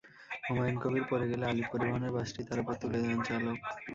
হুমায়ুন কবীর পড়ে গেলে আলিফ পরিবহনের বাসটি তাঁর ওপর তুলে দেন চালক।